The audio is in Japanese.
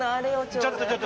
ちょっとちょっと。